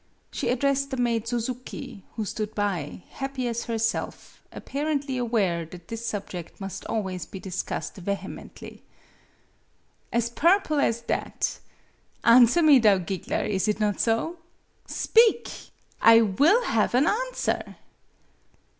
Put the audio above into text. She addressed the maid Suzuki, who stood by, happy as herself, apparently aware that this subject must always be discussed vehe mently. "As purple as that! Answer me, thou giggler; is it not so ? Speak! I will have an answer!